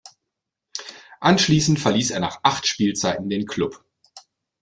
Anschließend verließ er nach acht Spielzeiten den Klub.